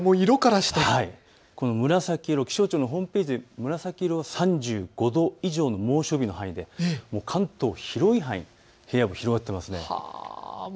この紫色、気象庁のホームページで紫色は３５度以上の猛暑日の範囲で関東広い範囲、平野部広がっています。